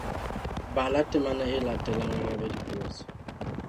Bala temana e latelang o arabe dipotso.